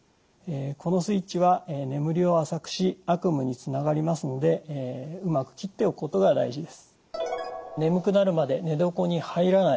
このスイッチは眠りを浅くし悪夢につながりますのでうまくきっておくことが大事です。